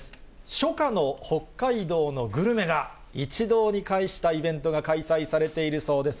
初夏の北海道のグルメが一堂に会したイベントが開催されているそうです。